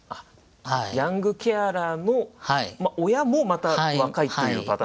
ヤングケアラーの親もまた若いっていうパターン。